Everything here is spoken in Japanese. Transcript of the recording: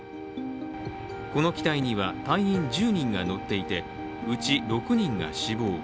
この機体には隊員１０人が乗っていてうち６人が死亡。